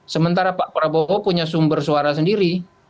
sementara pak prabowo punya sumber suara sendiri